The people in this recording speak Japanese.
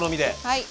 はい。